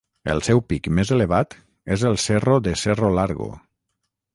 El seu pic més elevat és el Cerro de Cerro Largo.